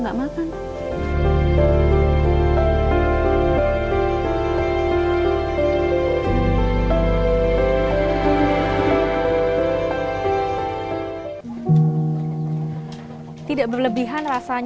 di kalimantan selatan kami menemui ibu rusina